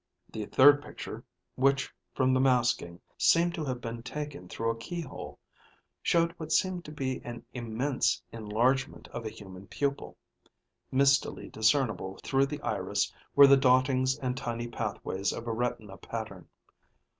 The third picture, which from the masking, seemed to have been taken through a keyhole, showed what seemed to be an immense enlargement of a human pupil; mistily discernible through the iris were the dottings and tiny pathways of a retina pattern.